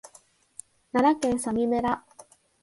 奈良県曽爾村